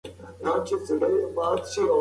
هر څه په خپل وخت وکړئ.